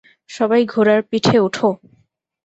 সবাই ঘোড়ার পিঠে উঠো!